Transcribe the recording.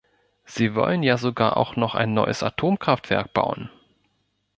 Sie wollen ja sogar auch noch ein neues Atomkraftwerk bauen!